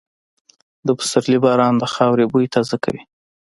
د پسرلي باران د خاورې بوی تازه کوي.